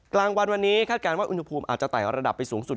กลางวันวันนี้คาดการณ์ว่าอุณหภูมิอาจจะไต่ระดับไปสูงสุด